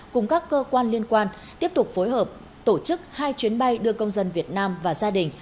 cùng các cơ quan liên quan tiếp tục phối hợp tổ chức hai chuyến bay đưa công dân việt nam và gia đình